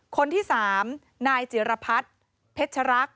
คนที่สามนายจิรพรรดิเพชรรักษ์